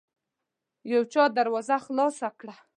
يو چا دروازه خلاصه کړه.